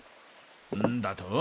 なんだと？